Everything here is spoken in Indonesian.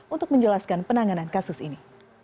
untuk menjelaskan penanganan kasus ini